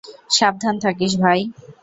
সাবধান থাকিস, ভাই।